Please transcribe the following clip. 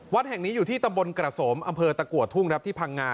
แห่งนี้อยู่ที่ตำบลกระสมอำเภอตะกัวทุ่งครับที่พังงา